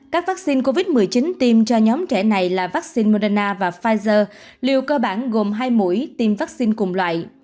các vaccine covid một mươi chín tiêm cho nhóm trẻ này là vaccine moderna và pfizer đều cơ bản gồm hai mũi tiêm vaccine cùng loại